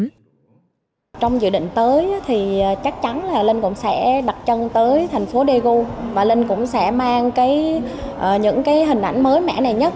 trong dự định tới thì chắc chắn là linh cũng sẽ đặt chân tới thành phố daegu và linh cũng sẽ mang những cái hình ảnh mới mẻ này nhất